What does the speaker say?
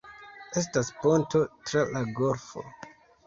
Estas ponto tra la golfo.